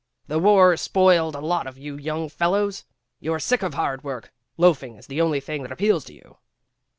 "The war spoiled a lot of you young fellows. You're sick of hard work. Loafing is the only thing that appeals to you."